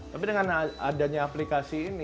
tapi dengan adanya aplikasi